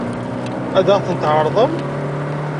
Ad ɣ-tent-tɛeṛḍem?